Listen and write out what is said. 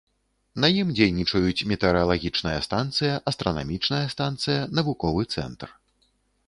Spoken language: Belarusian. На ім дзейнічаюць метэаралагічная станцыя, астранамічная станцыя, навуковы цэнтр.